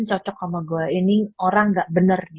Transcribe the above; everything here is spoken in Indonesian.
cocok sama gue ini orang gak bener